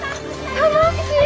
楽しい。